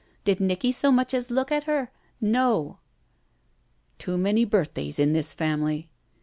Did Nicky so much as look at her? No." "Too many birthdays in this family."